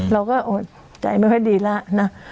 เราก็ใจไม่ค่อยดีแล้วนะ